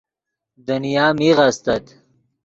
دنیا میغ استت